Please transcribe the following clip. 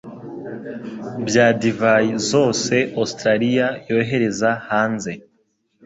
bya divayi zose Australia yohereza hanze.